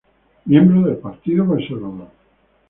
Miembro del Partido Conservador.